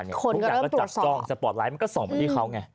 ทุกอย่างก็จับจ้องสปอร์ตไลท์มันก็ส่องมาที่เขาไง